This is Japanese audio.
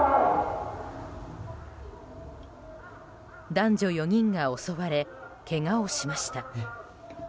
男女４人が襲われけがをしました。